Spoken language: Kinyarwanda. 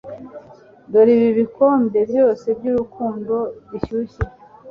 Dore ibi bikombe byose byurukundo bishyushye